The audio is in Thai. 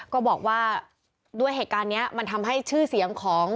ก็บอกว่าด้วยเหตุการณ์นี้มันทำให้ชื่อเสียงของ